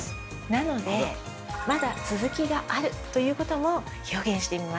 なので「まだ続きがある」ということも表現してみました。